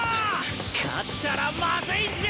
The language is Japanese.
勝ったらまずいんじゃ！